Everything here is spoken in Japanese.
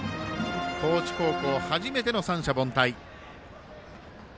高知高校、初めての三者凡退。